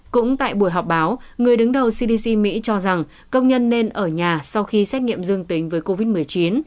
cũng tại buổi họp báo người đứng đầu cdc mỹ cho rằng công nhân nên ở nhà sau khi xét nghiệm dương tính với covid một mươi chín